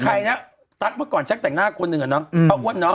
ใครนะตั๊กเมื่อก่อนช่างแต่งหน้าคนหนึ่งเหรอ